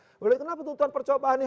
boleh dibilang kenapa tuntutan percobaan nih